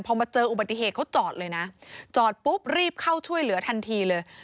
พอมาเจออุบัติเหตุเขาจอดเลยนะจอดปุ๊บรีบเข้าช่วยเหลือทันทีเลย